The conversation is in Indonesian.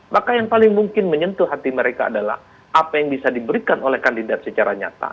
maka yang paling mungkin menyentuh hati mereka adalah apa yang bisa diberikan oleh kandidat secara nyata